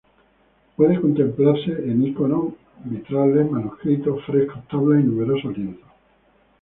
Puede contemplarse en íconos, vitrales, manuscritos, frescos, tablas y numerosos lienzos.